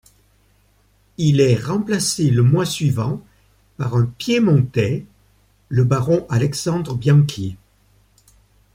Il est remplacé le mois suivant, par un piémontais, le baron Alexandre Bianchi.